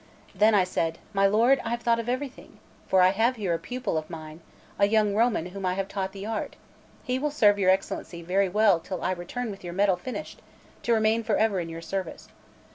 Then I said: "My lord, I have thought of everything, for I have here a pupil of mine, a young Roman whom I have taught the art; he will serve your Excellency very well till I return with your medal finished, to remain for ever in your service.